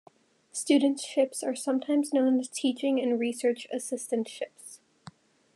Studentships are sometimes known as teaching and research assistantships.